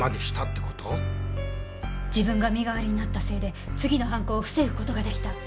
自分が身代わりになったせいで次の犯行を防ぐ事が出来た。